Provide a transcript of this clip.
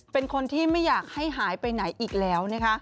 เป็นคนที่ไม่อยากให้หายไปไหนอีกแล้วนะคะ